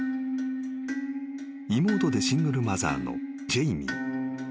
［妹でシングルマザーのジェイミー］